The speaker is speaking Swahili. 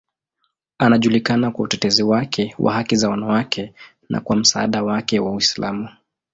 Anajulikana kwa utetezi wake wa haki za wanawake na kwa msaada wake wa Uislamu.